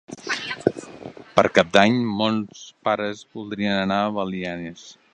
Per Cap d'Any mons pares voldrien anar a Belianes.